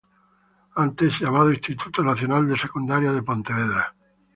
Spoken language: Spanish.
Antes llamado Instituto Nacional de Secundaria de Pontevedra.